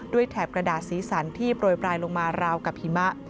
แถบกระดาษสีสันที่โปรยปลายลงมาราวกับหิมะ